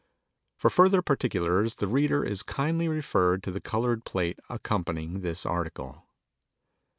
For further particulars the reader is kindly referred to the colored plate accompanying this article.